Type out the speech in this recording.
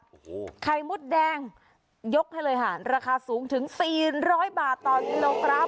โอ้โหไข่มดแดงยกให้เลยค่ะราคาสูงถึงสี่ร้อยบาทต่อกิโลกรัม